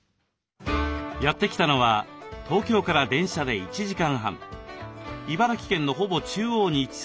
やって来たのは東京から電車で１時間半茨城県のほぼ中央に位置する笠間市。